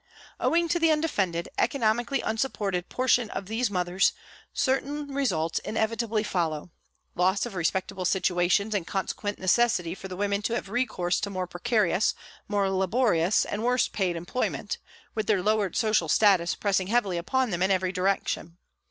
Owing to the undefended, economically unsupported position of these mothers, certain results inevitably follow loss of respectable situations and consequent necessity for the women to have recourse to more precarious, more laborious, and worse paid employ ment, with their lowered social status pressing heavily upon them in every direction.